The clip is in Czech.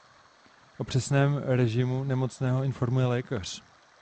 O přesném režimu nemocného informuje lékař.